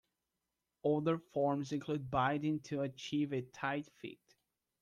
Older forms include binding to achieve a tight fit.